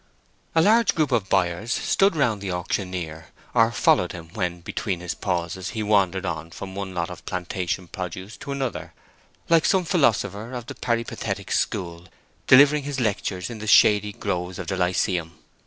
A large group of buyers stood round the auctioneer, or followed him when, between his pauses, he wandered on from one lot of plantation produce to another, like some philosopher of the Peripatetic school delivering his lectures in the shady groves of the Lyceum.